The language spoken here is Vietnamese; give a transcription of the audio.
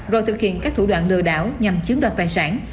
rồi thực hiện các thủ đoạn lừa đảo nhằm chiếm đoạt tài sản